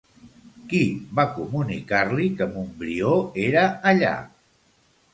Qui va comunicar-li que Montbrió era allà?